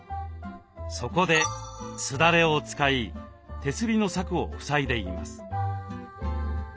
そこですだれを使い手すりの柵を塞いでいます。